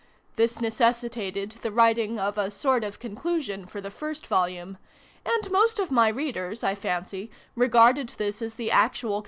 This necessitated the writing of a sort of conclusion for the first Volume : and most of my Readers, I fancy, regarded this as the actual PREFACE.